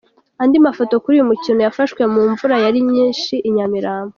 Andi mafoto kuri uyu mukino yafashwe mu mvura yari nyinshi i Nyamirambo.